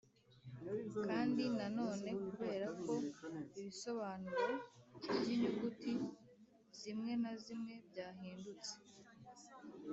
kandi nanone kubera ko ibisobanuro by’inyuguti zimwe na zimwe byahindutse